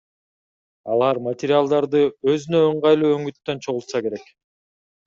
Алар материалдарды өзүнө ыңгайлуу өңүттөн чогултса керек.